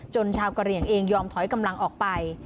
ชาวกะเหลี่ยงเองยอมถอยกำลังออกไป